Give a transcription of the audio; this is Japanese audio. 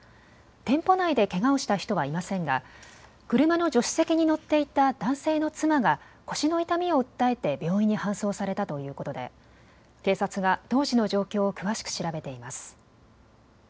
店舗内でけがをした人はいませんが車の助手席に乗っていた男性の妻が腰の痛みを訴えて病院に搬送されたということで警察が当時の状況を詳しく調べています。